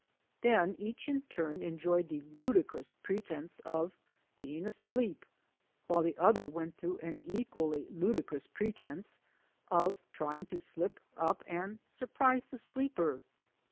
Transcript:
Then each in turn enjoyed the ludicrous pretence of being asleep while the other went through an equally ludicrous pretence of trying to slip up and surprise the sleeper.